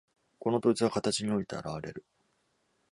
この統一は形において現われる。